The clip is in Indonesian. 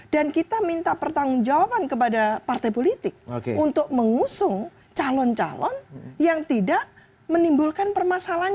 dan kita minta pertanggung jawaban kepada partai politik untuk mengusung calon calon yang tidak menimbulkan permasalahan